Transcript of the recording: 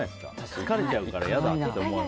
疲れちゃうから嫌だって。